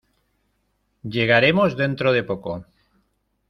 Llegaremos dentro de poco.